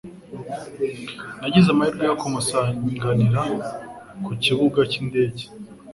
Nagize amahirwe yo kumusanganira ku kibuga cy'indege.